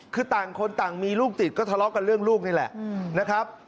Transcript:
คือต่างคนต่างมีลูกติดก็ทะเลาะกันเรื่องลูกนี่แหละนะครับ